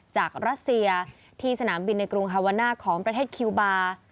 รัสเซียที่สนามบินในกรุงฮาวาน่าของประเทศคิวบาร์